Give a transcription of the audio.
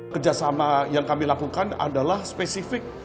kerjasama yang kami lakukan adalah spesifik